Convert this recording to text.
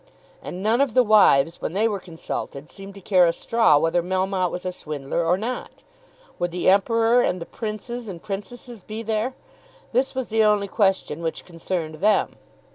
And none of the wives, when they were consulted, seemed to care a straw whether Melmotte was a swindler or not. Would the Emperor and the Princes and Princesses be there? This was the only question which concerned them.